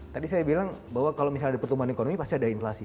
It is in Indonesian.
tadi saya bilang bahwa kalau misalnya ada pertumbuhan ekonomi pasti ada inflasi